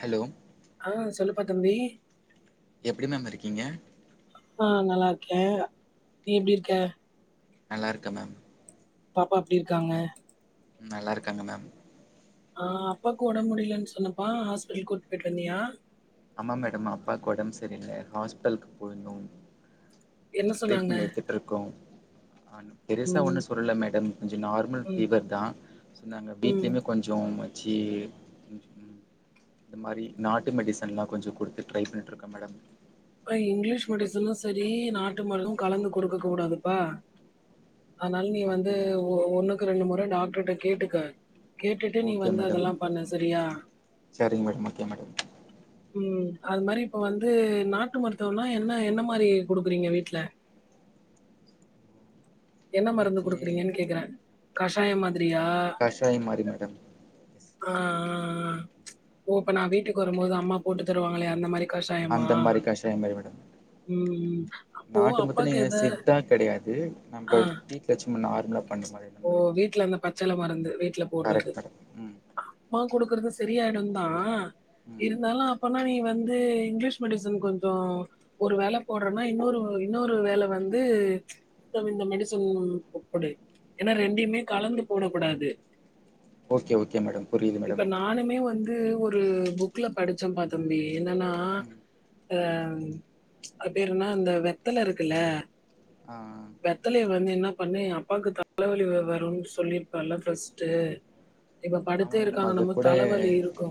Hello ஆ சொல்லு பாட் தம்பீ எப்டி மேம் இருக்கிங்க ஆ நல்லா இருக்கே நீ எப்டி இருக்க நல்லா இருக்க மேம் பாப்பா எப்டி இருக்காங்க நல்லா இருக்காங்க மேம் ஆ அப்பாக்கு உடம்பு முடியல சொன்னப்பா ஹாஸ்பிட்டல் கூட்டு போய்ட்டு வந்தியா ஆமா மேடம் அப்பாக்கு உடம்பு சரியல ஹாஸ்பிட்டல போயிருந்தோ என்ன கொஞ்ச சொன்னாங்க ட்ரீட்மெண்ட் எடுத்துட்ருக்கோ பெருசாக ம் ஒன்னு சொல்ல மேடம் கொஞ்சம் நார்மல் ம் ஃபீவத்தா சொன்னாங்க ம் பீபீமே கொஞ்ச ச்சி இந்த மாரி நாட்டு மெடிச அதெல்லா கொஞ்ச கொடுத்து ட்ரை பண்ணிக்கிட்டுயிருக்க மேடம் அப்ப இங்கிலீஷ் மெடிசனு சரி நாட்டு மருந்து கலந்து கொடுக்க கூடாதுப்பா அதனால நீ வந்து அப்டிங்களா ஒன்னுக்கு ரெண்டு முற டாக்டர்ட்ட கேட்டுக்க கேட்டுட்டு நீ ஓகே வந்து மேடம் அதெல்லா பண்ணு சரியா சரிங்க மேடம் ஓகே மேடம் ம் அது மாரி இப்போ வந்து நாட்டு மருத்துவனா என் என்ன மாதிரி குடுக்கிறிங்க வீட்ல என்ன மருந்து குடுக்குறிங்க கேக்குற கஷாயமா காஷாய மாறி மேடம் ஆ ஆ ஒ அப்ப நா வீட்டுக்கு வரும்போது அம்மா போட்டு தருவாங்களோ அந்த மாரி கஷாயமா? அந்த மாரி காஷாய மாரி மேடம் ம் ம் அப்போ நாட்டு அப்பாக்கு முத்தலங்க எது சித்தா கெடையாது ஆ நம்ப டி ஹெச் மென் ஆர் கப் பண்ச் மாரி இருந்த மாரி ச்செல மறந்துருவே எப்ப போட்றது கரெக்ட் மேடம் ம் அம்மா குடுக்குறுது சரியாயிடு தா ம் இருந்தாலு அப்பனா நீ வந்து இங்கிலீஷ் மெடிசன் கொஞ்ச ஒரு வேல போட்றன்னா இன்னொரு இன்னொரு வேல வந்து ப்ச் இந்த இந்த மெடிசன் ஒ பொடு ஏன்னா ரெண்டையுமே கலந்து போட கூடாது ஓக்கே ஓக்கே மேடம் புரியுது மேடம் இதூ ஒரு புக்ல படிச்சம்பா தம்பி என்னண்ணா ம் ய ஆ ப்ச் அதும்பேரென்னா அந்த வெத்தல இருக்குல்ல ஆ வெத்தலய வந்து என்னாப் பண்ணே ஏ அப்பாக்குத் தா தலைவலி வரும்ன்னு சொல்லிருக்கலால்ல ஃப்ஸ்ட்டு இப்ப ஆமா படுத்தே மேடம் இருக்காங்க அது ரொம்ப கூட தலைவலி இருக்கு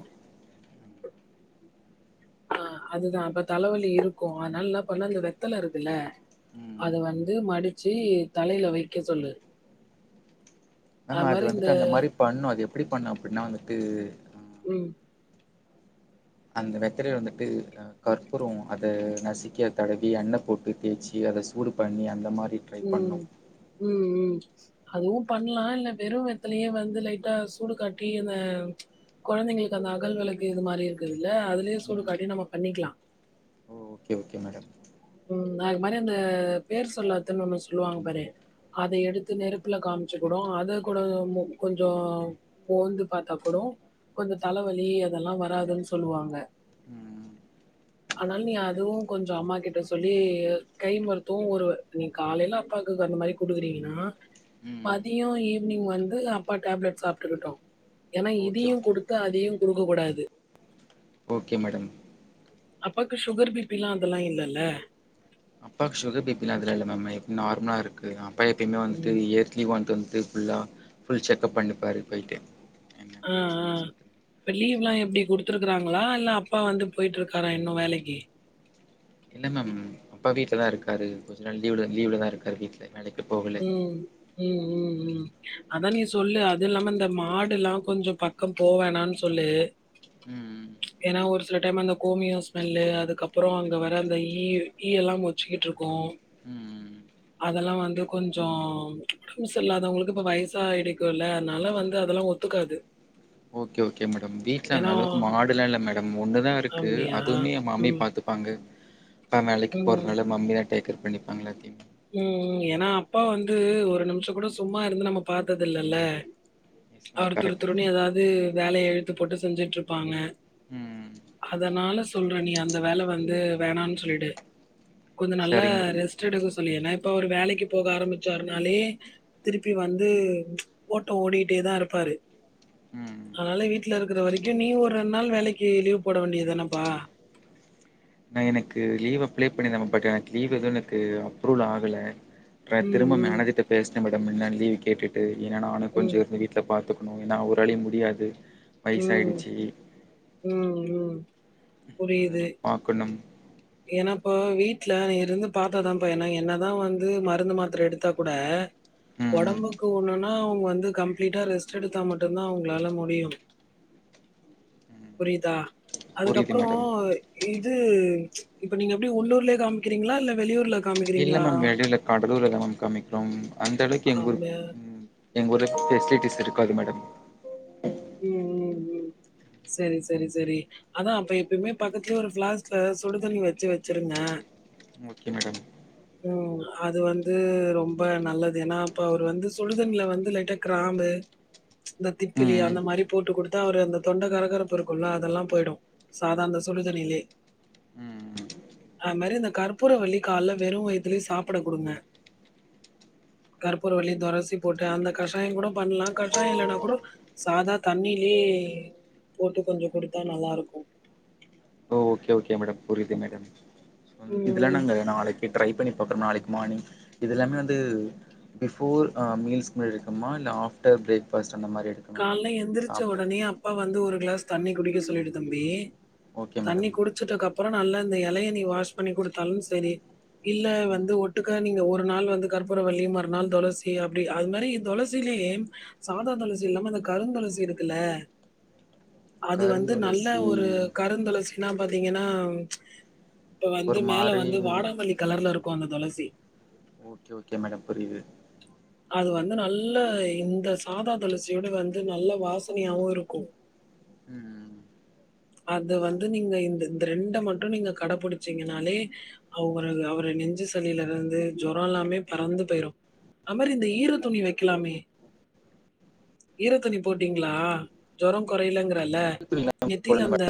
ஆ அதுதா அப்ப தலைவலி இருக்கு அதனால என்ன பண்ணு அந்த வெத்தல இருக்குல்ல ம் அது வந்து மடிச் சீ தலையில வெக்க சொல்லு மேம் அது மாரி இந்த வந்துட்டு அந்த மாதிரி பண்ணும் அது எப்படி பண்ண அப்படினா வந்தூட்டு உஹம் அந்த வெத்தலைய வந்துட்டு கற்பூரம் அத நசுக்கி தடவி எண்ண போட்டு தேய்ச்சி அத சூடு பண்ணி அந்த மாரி ட்ரை உம் பண்ணு ஹும் ஹும் அதுவும் பண்ணலாம் இல்ல வெறும் வெத்தலய வந்து லைட்டா சூடு காட்டி அந்த குழந்தைங்களுக்கு அந்த அகல் விளக்கு இது மாதிரி இருக்குது இல்ல அதுலயே சூடு ம் காட்டி நம்ம பண்ணிக்கலாம் ஓகே ஓகே மேடம் உம் அது மாதிரி அந்த பேர் சொல்லாததுனு ஒண்ணு சொல்லுவாங்க பாரு அத எடுத்து நெருப்புல காம்ச்சி கூட அத கூட கொஞ்சம் மோந்து பாத்தா கூடோ கொஞ்சம் தலைவலி அதெல்லாம் வராதுன்னு சொல்லுவாங்க ம் ஆனால நீ அதுவும் கொஞ்சம் அம்மா கிட்ட ப்ப சொல்லி கை மருத்துவம் ஒரு நீ காலையில அப்பாக்கு அந்த மாதிரி குடுக்குறீங்கன்னா ம் மதியம் ஈவினிங் வந்து அப்பா டேப்லெட் சாப்பிட்டுக்கிட்டும் ஏன்னா ஓகே இதையும் ஓகே கொடுத்து அதையும் கொடுக்க கூடாது ஓகே மேடம் அப்பாக்கு சுகர் பிப்பீலாம் அதெல்லாம் இல்லல்ல அப்பாக்கு சுகர் பீபிலாம் அதுலாம் இல்ல மேம் நைட்டு நார்மலா இருக்கு எல்லாம் எப்பையுமே ம். வந்துட்டுஇயர்லி ஒன்ஸ் ஃபுல்லா புல் செக்கப் பண்ணிப்பாரு போயிட்டு என்ன ஆ, பிரச்சனை ஆ. சொல்லிப்பாரு இப்ப லீவ்லா எப்படி குடுத்திருக்காங்களா இல்ல அப்பா வந்து போயிட்டிருக்காரா இன்னும் வேலைக்கி இல்ல மேம் அப்பா வீட்லதா இருக்காரு கொஞ்ச நாள் லீவு லீவுதா இருக்காரு வீட்டல ஹம் ஹம் உம் உம் அதா நீ சொல்லு அது இல்லாம இந்த மாடு எல்லாம் கொஞ்சம் பக்கம் போவேணானு சொல்லு ம் ஏன்னா ஒரு சில டைம் அந்த கோமியோம் ஸ்மெல்லு அதுக்கப்புறம் அங்க வர அந்த ஈ ஈய எல்லாம் மொச்சுக்கிட்டு இருக்கும் ம் அதெல்லாம் வந்து கொஞ்சம் கூச்சம் இல்லாதவங்களுக்கு இப்ப வயசாயிடிக்கும்லல அதனால வந்து அதெல்லாம் ஒத்துக்காது ஓகே ஓகே மேடம் வீட்டுல அந்த ஏன்னா அளவுக்கு மாடுல்லாம் இல்ல மேடம் ஒண்ணுதா இருக்கு அப்டியா? அதுவுமே மம்மி ம், பாத்துப்பாங்க நா வேலைக்கு ம், போறதுனால மம்மி டேக் கேர் பண்ணிப்பாங்களா தின் உஹம் ஏன்னா அப்பா வந்து ஒரு நிமிஷம் கூட சும்மா இருந்து நம்ம பாத்தது இல்லல்ல எஸ் மேம் அவரு கரெக்ட் துருதுருன்னு எதாவது வேலைய இழுத்து போட்டு செஞ்சுட்டுருப்பாங்க ம் அதனால சொல்றேன் நீ அந்த வேல வந்து வேணானு சொல்லிடு கொஞ்சம் நல்லா சரிங்க மேடம் ரெஸ்டு ஏன்னா இப்ப அவரு வேலைக்கு போக ஆரம்பிச்சாருனாலே திருப்பி வந்து ஓட்டம் ஓடிட்டேதா இருப்பாரு ம் அதனால வீட்ல இருக்கிற வரைக்கும் நீ ஒரு ரெண்டு நாள் வேலைக்கு லீவு போட வேண்டியதானப்பா நா எனக்கு லீவு அப்ளை பண்ணி பட்டு எனக்கு லீவு எதுவும் எனக்கு அப்ரூவல் ஆகல ம், திரும்ப ம், மேனேஜர்ட பேசினேன் மூணு நாள் லீவு கேட்டுட்டு ஏன்னா நா கொஞ்சம் ம், இருந்து வீட்ல பாத்து ஏன்னா அவுராலையும் முடியாது வயசாயிடுச்சு உம் உம் பாக்கணும் ஏன்னாஇப்போ வீட்ல இருந்து பாத்தாப்பா ஏன்னா என்னதா வந்து மருந்து மாத்திர எடுத்தா கூட ம் ம் ஒடம்புக்கு ஒண்ணுனா அவ்ங் வந்து கம்ப்ளீட்டா ரெஸ்டு எடுத்தா மட்டுதா அவுங்ளால முடியுமே ம் புரிதா புரியுது அதுக்கப்றோ மேடம் ஈத் இது இப்ப நீங்க எப்டி உள்ளூர்லே காமிக்கிங்ளா இல்ல வெளியூர்ல இல்ல காமிக்கிறீங்களா? மேம் வெளில கடலூர் எல்லா மேம் காமிக்றோம் அந்தளக் எங்கூர் அந்த ம் எங்க ஊர்ல ஃபெசிலிட்டிஸ் இருக்காது மேடம் ம் ம் செரி செரி செரி அதா அப்ப எப்பயுமே பக்கத்லே ஒரு ஃப்ளாஸ்க்ல சுடுதண்ணி வச்சு வச்சிருங்க ஓகே மேடம் ம் அது வந்து ரொம்ப நல்லது ஏனா அப்ப அவரு வந்து சுடுதண்ல வந்து லைட்டா கிராம்பு இந்த திப்பிலி ம் அந்த ம் மாரி போட்டு குடுத்தா அவரு அந்த தொண்ட கரகரப்பு இருக்கும்ல அதெல்லா போய்டும் சாதா அந்த சுடுதண்ணிலே ம் ம் அது மாரி இந்த கற்பூரவள்ளி கால்ல வெறும் வயத்லே சாப்ட குடுங்க கற்பூரவள்ளி தொரசி போட்டு அந்த கஷாயம் கூட பண்லா கஷாயம் இல்லனா கூடோ சாதா தண்ணிலே போட்டு கொஞ்ச குடுத்தா நல்லாருக்கும் ஓ ஓகே மேடம் புரிது இதுல ம் நங்க நாளைக்கி ட்ரை பண்ணி அப்றோ நாளைக் மானிங் இது எல்லாமே வந்து பிஃபோர் ஆ மீல்ஸ்க் முன்னாடி எடுக்கமா இல்ல ஆஃப்டர் பிரேக் ஃபாஸ்ட் கால்ல எந்திரிச்ச உடனே அப்பா வந்து ஒரு கிளாஸ் தண்ணி குடிக்க சொல்லிடு தம்பி ஓகே தண்ணி மேடம் குடிச்சுடக்கப்றோ நல்லா இந்த எலைய நீ வாஷ் பண்ணி குடுத்தாலும் செரி இல்ல ம் வந்து ஒட்டுக்கா நீங்க ஒரு நாள் வந்து கற்பூர வள்ளி மறுநாள் தொளசி அப்டி அது மாரி தொளசிலயே சாதா ம் தொளசி ஜில்லாம அந்த கருந்தொளசி இருக்குல அது வந்து நல்ல கருந்துளசி ஒரு கருந்தொளசினா பாத்தீங்கனா இப்ப வந்து ஒரு மேல மாரி வந்து வாடாமல்லி கலர்ல இருக் கு அந்த தொளசி ஓகே ஓகே மேடம் புரிது அது வந்து நல்ல இந்த சாதா தொளசி விட வந்து நல்ல வாசனையாவும் இருக்கும் ம் அது வந்து நீங்க இந்த இந்த ரெண்ட மட்டு நீங்க கடபுடிச்சீங்கனாலே அவ்ங்ரு அவ்ரு நெஞ்சு சளிலருந்து ஜொரலாமே பறந்து போய்ரும் அமர் இந்த ஈர துணி வைக்கலாமே ஈர துணி போட்டீங்களா ஜொரோ குறைலங்றல்ல ம் நித் நெத்தில போடல அந்த மேடம்.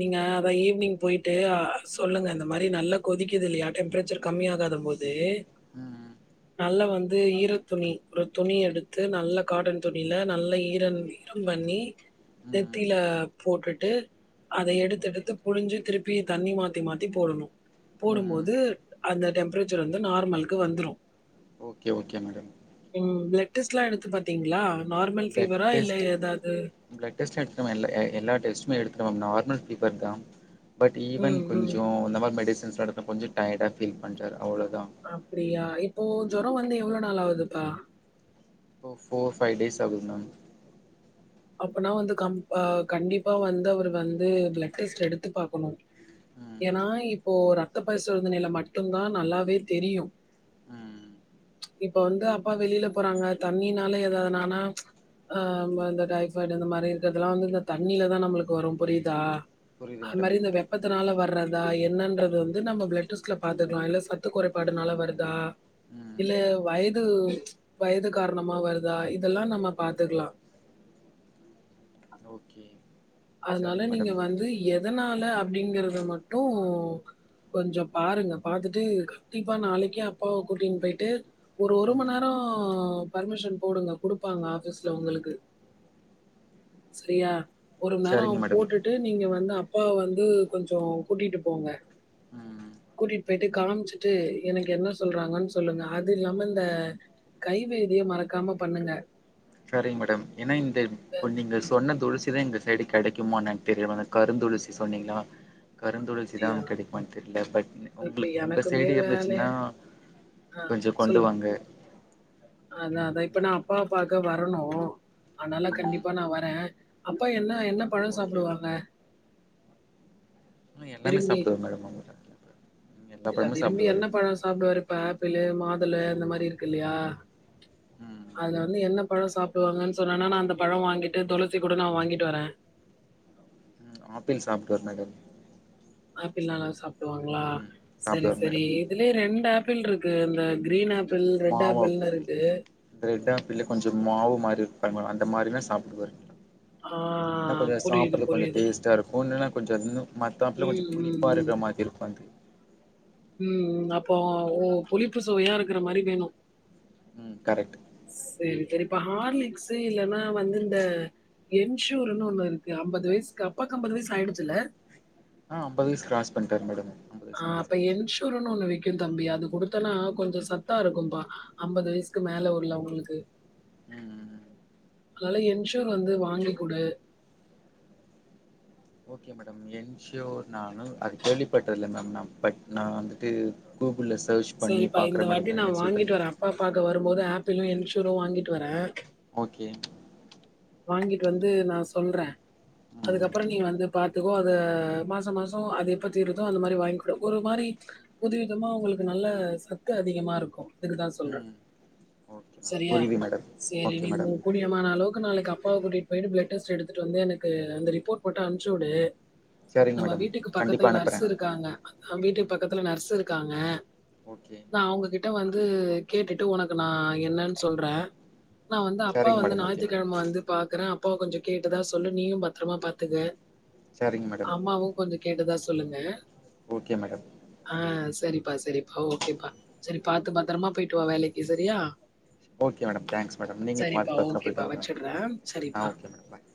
நீங்க அதான் ஈவ்னிங் போய்ட்டு் ஆ சொல்லுங்க இந்த மாரி நல்லா கொதிக்கிது இல்யா டெம்பரேச்சர் கம்மி ஆகாத போது நல்லா வந்து ஈர துணி ஒரு துணி எடுத்து நல்ல காட்டன் துணில நல்ல ஈரன் ஈரம் பண்ணி ம் நெத்தில போட்டுட்டு அத ஓகே எடுத்தெடுத்து புழுஞ்சு திருப்பி தண்ணி மாத்தி மாத்தி போடணு போடும் ம் போது அந்த டெம்ப்ரேச்சர் வந்து நார்மல்க்கு வந்துரும் ஓகே ஓகே மேடம் டெஸ்ட்லா எடுத்து பாத்தீங்ளா நார்மல் பிளட் ஃபீவரா இல்ல ஏதாது இல்ல மா இல்ல எ எ எல்லா டெஸ்டுமே எடுத்துட்ட மேம் நார்மல் பீவர் தா பட் ஈவன் ம் ம் கொஞ்சோ இந்த மார் மெடிஸ் [unintelligible] எடுத்த கொஞ்ச டயடா பீல் பண்றாறு அப்டியா இப்போது ஜொரோ வந்து எவ்ளோ நாள் ஆவுதுப்பா ஃபோ ஃபோர் ஃபைவ் டேஸ் ஆவுதுங் மேம் அப்பனா வந்து கம் பா கண்டிப்பா வந்து அவரு வந்து ப்ளட் டெஸ்ட் எடுத்து பாக்கணும் ம் ஏன்னா இப்போ ரத்த பரிசோதனைல மட்டும்தான் நல்லாவே தெரியும் ம் இப்ப வந்து அப்பா வெளியல போறாங்க தண்ணினால ஏதாவது ஆனா அ மா இந்த அத சைடு இந்த மாரி இந்த இது லா வந்து இந்த தண்ணியலதா நம்மளுக்கு வரும் புரியுதா புரியுது அது மேடம் மாரி இந்த வெப்பத்தனால வர்றதா என்னன்றது வந்து நம்ம ப்ளட் டெஸ்ட்ல பாத்துக்கலாம் இல்ல சத்து குறைபாடுனால வருதா இல்ல ம் வயது வயது காரணமா வருதா இதெல்லா நம்ம பாத்துக்கலா அ ஓகே அதனால சரிங்க நீங்க மேடம் வந்து எத் எதனால அப்டிங்கறத மட்டும் கொஞ்சம் பாருங்க பாத்துட்டு கண்டிப்பா நாளைக்கே அப்பாவ கூட்டின் போயிட்டு ஒரு ஒரு மண் ம் நேரம் பர்மிஷன் போடுங்க குடுப்பாங்க ஆபீஸ்ல உங்களுக்கு செரியா ஒரு சரிங்க நேரம் மேடம் போட்டுட்டு நீங்க வந்து அப் அப்பாவ வந்து கொஞ்சம் கூட்டிட்டு போங்க ம் கூட்டிட்டு போயிட்டு காம்ச்சுட்டு எனக்கு என்ன சொல்றாங்கன் சொல்லுங்க அது இல்லாம இந்த கைப்பேசிய மறக்காம பண்ணுங்க செரிங் மேடம் ஏனா இந்த ப் நீங்க சொன்ன தொளசி ந்த எங்க சைடு கிடைக்கமான்ன தெரில அந்த கருந்தொளசி சொன்னீங்களா அப்படியா? கருந்துளசிதாம் கிடைக்குமா தெர்ல பட் இப்ப உங்களுக் உங்க எனக்குமே சைடு வேலை இருந்துச்சுன்னா ஆ கொஞ்ச கொண்டு சொல்லுங்க. வாங்க அதான், இப்ப நா ம் அப்பாவ பாக்க வரணும் அதனால ம் கண்டிப்பா நா வரே அப்பா என்ன என்ன பழம் ஓகே சாப்டுவாங்க எல்லாமே சாப்டுவே மேடம் அவுங்க இல்ல விரும்பி என்ன பழம் சாப்டுவாரு இப்ப ஆப்பிளு மா துள அந்த மாரி இருக்கு இல்லையா ம் அதுல வந்து என்ன பழம் சாப்டுவாங்கன் சொன்னா நா நா அந்த பழம் வாங்கிட்டு துளசி கூட நா வாங்கிட்டு வரே ம் ஆப்பிள் சாப்டுவார் மேடம் ஆப்பிள் நல்லா சாப்டுவாங்களா ம் சரி சாப்டுவாரு சரி மேடம் இதுலயே ரெண்டா ஆப் ஆப்பிள் இருக்கு இந்த கிரீன் ஆப் மாவப் ரெட் ஆப்பிளு கொஞ்சம் மாவு மாரி இருக் ஆமா அந்த மாரி தா சாப்டுவாரு ஆ இன்னு கொஞ்சம் புரியுது சாப்றதுக் கொஞ்சம் புரியுது டேஸ்ட்டா இருக்கும் இன்னு கொஞ்சம் இன் மத்த ஆப்பிளு கொஞ்சம் ம் புளிப்பா ம் இருக்கற மாதிரி இருக்கும் அது ம் ம் அப்போ ஓ புளிப்பு சுவையா இருக்கற மாரி வேணும் ம் கரெக்ட்டு சரிப்ப ஹார்லிக்ஸ்ஸு இல்லன்னா வந்து இந்த என்ஷூர்ன்னு ஒண்ணு இருக்கு அம்பது வயசுக் அப்பாக்கு அம்பது வயசு ஆயிடுச்சல ஆ அம்பது வயசு கிராஸ் பண்ட்டாரு மேடம் ஐம்பது ஆ வயசு கிராஸ் அப்ப ஆயிடுச்சு என்ஷூர்ன்னு ஒண்ணு வெக் கும் தம்பி அது குடுத்தனா கொஞ்ச சத்தா இருக்கும்பா அம்பது வயசுக்கு மேல உள்ளவங்களுக்கு ம் அதால என்ஷூர் வந்து வாங்கி குடு ஓகே மேடம் என்ஷூர் நானு அது கேள்விப்பட்டது இல்ல மேம் நா பட் நா வந்துட்டு கூகுள்ள ஸ் சரிப்பா இந்த வாட்டி நா வாங்கிட்டு வரே அப்பாவ பாக்க வரும்போது ஆப் பிளு என்ஷூரு வாங்கிட்டு வரே ஓகே வாங்கிட்டு வந்து நா சொல்றே ம் அதுக்கப்புறம் நீ வந்து பா எதுக்கோ அத மாச மாசம் அது எப்போ தீருதோ அந்த மாரி வாங்கிக்குடும் ஒரு மாரி புது விதமா உங்களுக் நல்ல சத்து அதிகமா இருக்கும் அதுக்குதா சொல்ற ம் ஓகே மேம் சரியா புரியுது மேடம் சேரி ஓகே நீ உ மேடம் கூடியமான அளவுக் நாளைக் அப் அப்பா கூட்டிகிட்டு போயிட்டு பிலெட் டெஸ்டு எடுத்துட்டு வந்து எனக்கு அந்த ரிப்போட் ஃபோட்டா அனுப்சுடு சரிங்க நம்ம மேடம் வீட்டுக்கு பக்கத்துல கண்டிப்பா அனுப்புறே நர்ஸ்ஸு இருக்காங்க வீட்டுக் ம் பக்கத்துல நர்ஸ்ஸு இருக்காங்க ஓகே நா அவங்ககிட்ட வந்து கேட்டுட்டு உனக்கு நா என்னன் சொல்ற நா வந்து அப்பா சரிங்க வந்து மேடம் ஓகே மேடம் ஞாயித்துக்கெழம வந்து அப்பா கொஞ்சோ கேட்டுதா சொல்லு நீயும் பத்ரமா பாத்துக்க சரிங்க மேடம் அம்மாவு கொஞ்சோ கேட்டுதா சொல்லுங்க ஓகே மேடம் செரிப்பா செரிப்பா ஓகேப்பா செரி பாத்து பத்தரமா போயிட்டு வா வேலைக்கு செரியா ஓகே மேடம் தேங்க்ஸ் மேடம் நீங்க பாத்து பத்தரமா போயிட்டு ஓகேப்பா வாங்க வச்சுடுறேன். ஆ சரிப்பா. ஓகே மேடம் பாய்